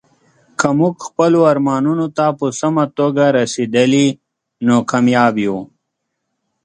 که موږ خپلو ارمانونو ته په سمه توګه رسیدلي، نو کامیاب یو.